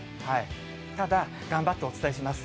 ただ、頑張ってお伝えします。